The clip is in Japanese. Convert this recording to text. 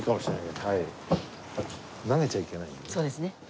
そうですね。